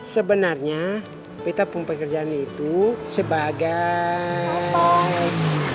sebenarnya beta pengpekerjaannya itu sebagai